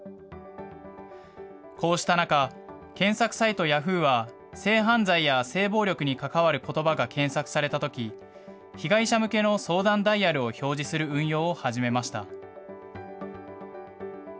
こうした中、検索サイト、ヤフーは性犯罪や性暴力に関わることばが検索されたとき、被害者向けの相談ダイヤルを表示する運用を始めました。